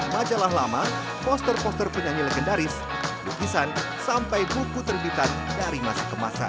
majalah lama poster poster penyanyi legendaris lukisan sampai buku terbitan dari masa ke masa